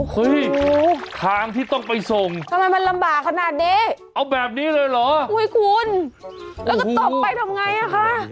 เฮ้ยทางที่ต้องไปส่งทำไมมันลำบากขนาดนี้เอาแบบนี้เลยเหรออุ้ยคุณแล้วก็ตบไปทำไงอ่ะคะ